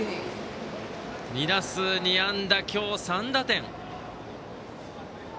２打数２安打、今日３打点。